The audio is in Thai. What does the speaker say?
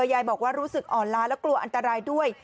ยายบอกว่ารู้สึกอ่อนล้าและกลัวอันตรายด้วย